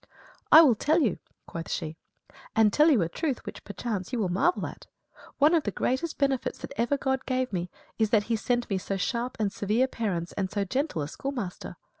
"I will tell you," quoth she, "and tell you a truth which, perchance, ye will marvel at. One of the greatest benefits that ever God gave me is that He sent me so sharp and severe parents and so gentle a schoolmaster.